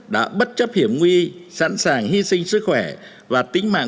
đã bất chấp hiểm nguy sẵn sàng hy sinh sức khỏe và tính mạng